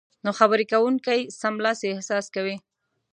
نو خبرې کوونکی سملاسي احساس کوي